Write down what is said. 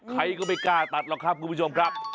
ใครก็ไม่กล้าตัดหรอกครับคุณผู้ชมครับ